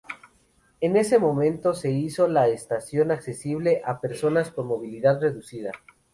En ese momento se hizo la estación accesible a personas con movilidad reducida.